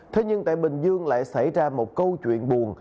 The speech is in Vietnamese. thế nhưng tại bình dương lại xảy ra một câu chuyện buồn